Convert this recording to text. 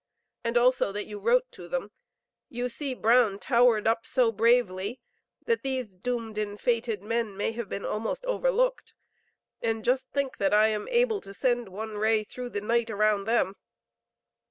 And also that you wrote to them. You see Brown towered up so bravely that these doomed and fated men may have been almost overlooked, and just think that I am able to send one ray through the night around them.